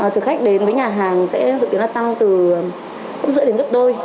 thực khách đến với nhà hàng sẽ dự kiến là tăng từ gấp rưỡi đến gấp đôi